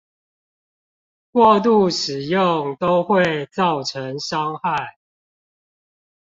過度使用都會造成傷害